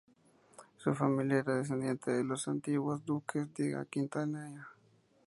Su familia era descendiente de los antiguos duques de Aquitania.